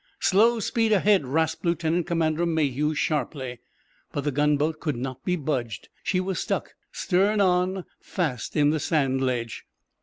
"Slow speed ahead!" rasped Lieutenant Commander Mayhew, sharply. But the gunboat could not be budged. She was stuck, stern on, fast in the sand ledge.